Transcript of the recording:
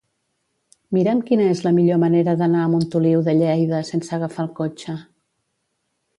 Mira'm quina és la millor manera d'anar a Montoliu de Lleida sense agafar el cotxe.